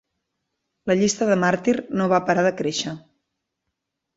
La llista de màrtir no va parar de créixer.